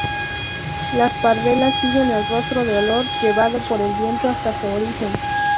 Las pardelas siguen el rastro de olor llevado por el viento hasta su origen.